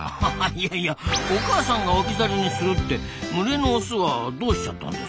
いやいやお母さんが置き去りにするって群れのオスはどうしちゃったんですか？